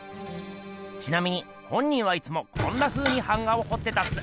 ちなみに本人はいつもこんなふうに版画をほってたっす。